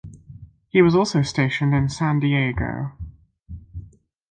He was also stationed in San Diego.